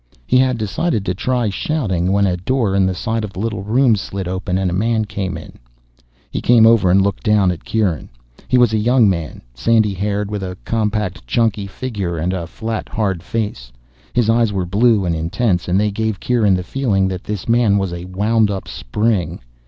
He had decided to try shouting when a door in the side of the little room slid open and a man came in. He came over and looked down at Kieran. He was a young man, sandy haired, with a compact, chunky figure and a flat, hard face. His eyes were blue and intense, and they gave Kieran the feeling that this man was a wound up spring.